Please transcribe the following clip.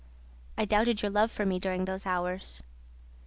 "I doubted your love for me, during those hours."